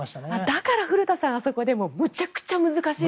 だから古田さんあそこでめちゃくちゃ難しいと。